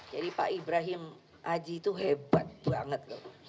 jadi pak ibrahim aji itu hebat banget